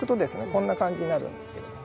こんな感じになるんですけども。